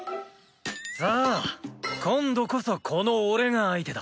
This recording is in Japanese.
さぁ今度こそこの俺が相手だ。